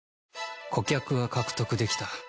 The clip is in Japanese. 顧客は獲得できた。